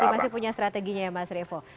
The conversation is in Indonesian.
masih punya strateginya ya mas revo